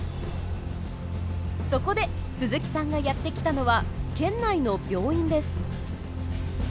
そこで鈴木さんがやって来たのは県内の病院です。